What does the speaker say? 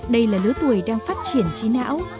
đây là lứa tuổi đang phát triển trí não